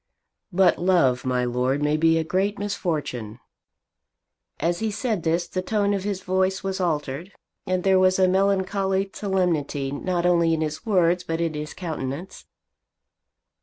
"But love, my Lord, may be a great misfortune." As he said this the tone of his voice was altered, and there was a melancholy solemnity not only in his words but in his countenance.